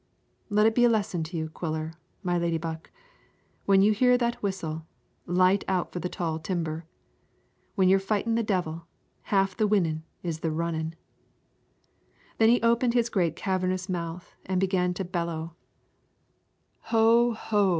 Let it be a lesson to you, Quiller, my laddiebuck; when you hear that whistle, light out for the tall timber. When you're a fightin' the devil, half the winnin' 's in the runnin'." Then he opened his great cavernous mouth and began to bellow, "Ho! ho!